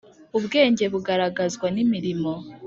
Ubwenge bugaragazwa n imirimo